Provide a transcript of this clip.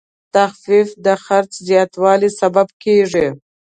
تخفیف د خرڅ زیاتوالی سبب کېږي.